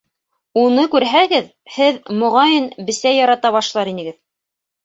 Уны күрһәгеҙ, һеҙ, моғайын, бесәй ярата башлар инегеҙ.